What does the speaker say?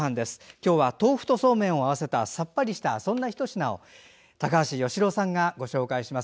今日は豆腐とそうめんを合わせたさっぱりとしたそんなひと品を高橋善郎さんがご紹介します。